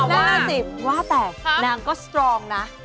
นั่นแน่สิว่าแต่นางก็สตรองนะ